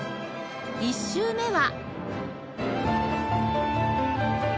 １週目は